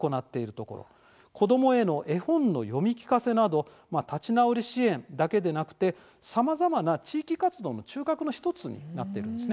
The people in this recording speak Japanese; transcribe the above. ところ子どもへの絵本の読み聞かせなど立ち直り支援だけでなくてさまざまな地域活動の中核の１つになっているんです。